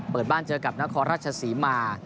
เปิดบ้านเจอกับนครราชศรีมา